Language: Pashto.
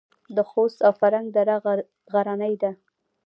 د خوست او فرنګ دره غرنۍ ده